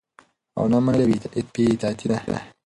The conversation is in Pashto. او نه منل يي بي اطاعتي ده